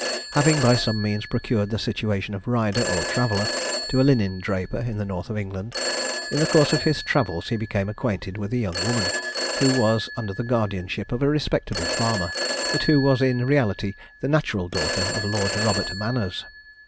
Having by some means procured the situation of rider or traveller to a linen draper in the north of England, in the course of his travels he became acquainted with a young woman, who was under the guardianship of a respectable farmer, but who was in reality the natural daughter of Lord Robert Manners.